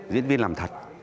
diễn viên làm thật